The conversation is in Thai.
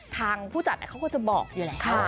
ผู้จัดเขาก็จะบอกอยู่แหละ